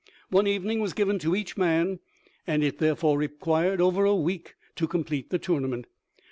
One evening was given to each man, and it therefore required over a week to com plete the tournament.